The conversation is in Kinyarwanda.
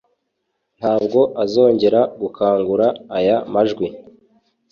ntabwo azongera gukangura aya majwi